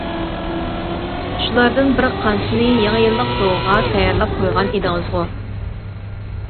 شۇلاردىن بىر قانچىسىنى يېڭى يىللىق سوۋغىغا تەييارلاپ قويغان ئىدىڭىزغۇ.